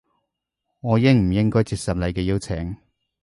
我應唔應該接受你嘅邀請